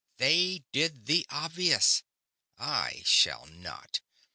They did the obvious; I shall not.